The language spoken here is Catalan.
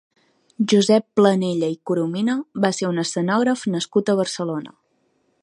Josep Planella i Coromina va ser un escenògraf nascut a Barcelona.